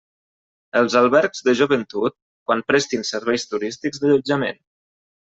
Els albergs de joventut, quan prestin serveis turístics d'allotjament.